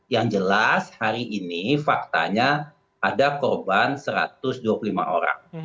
yang jelas hari ini faktanya ada korban satu ratus dua puluh lima orang